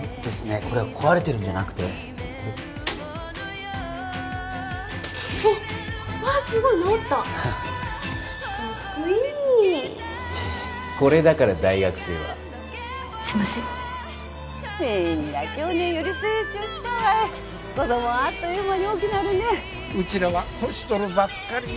これは壊れてるんじゃなくてこれあッわあすごい直ったかっこいいいえいえ・これだから大学生はすいません・みんな去年より成長したわい子供はあっという間に大きなるねうちらは年取るばっかりよ